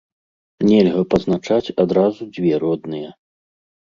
Нельга пазначаць адразу дзве родныя.